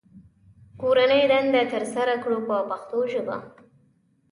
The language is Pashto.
کورنۍ دنده ترسره کړو په پښتو ژبه.